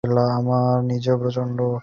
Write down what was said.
আমার নিজেরও প্রচণ্ড ভয় লাগল।